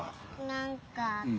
何か。